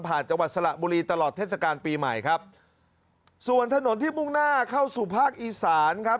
จังหวัดสระบุรีตลอดเทศกาลปีใหม่ครับส่วนถนนที่มุ่งหน้าเข้าสู่ภาคอีสานครับ